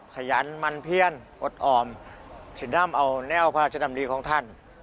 ขยันมันเพี้ยนอดออมสินดำเอาแนวพระราชดำรีของท่าน